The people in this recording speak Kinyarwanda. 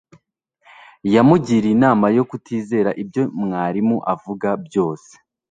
yamugiriye inama yo kutizera ibyo mwarimu avuga byose